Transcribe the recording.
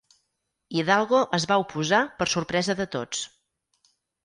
Hidalgo es va oposar per sorpresa de tots.